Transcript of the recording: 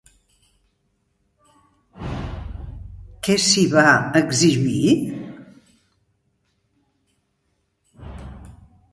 Què s'hi va exhibir?